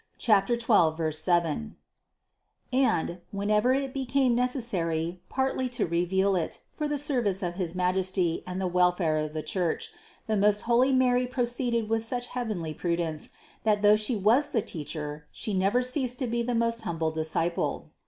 12, 7), and, whenever it became necessary partly to reveal it for the service of his Majesty and the welfare of the Church, the most holy Mary pro ceeded with such heavenly prudence, that though She was the Teacher, She never ceased to be the most humble Disciple.